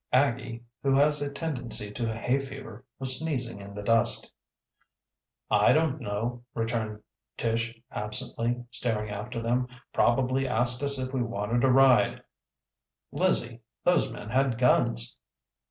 Aggie, who has a tendency to hay fever, was sneezing in the dust. "I don't know," returned Tish absently, staring after them. "Probably asked us if we wanted a ride. Lizzie, those men had guns!"